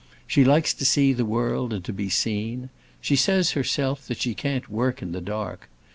She likes to see the world, and to be seen. She says, herself, that she can't work in the dark.